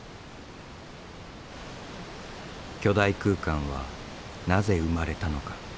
巨大空間はなぜ生まれたのか。